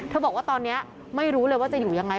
บอกว่าตอนนี้ไม่รู้เลยว่าจะอยู่ยังไง